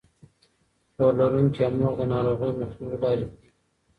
پوهه لرونکې مور د ناروغۍ مخنیوي لارې پېژني.